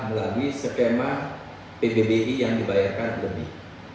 apalagi skema pbbi yang dibayarkan lebih